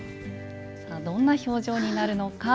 どんな表情になるのか。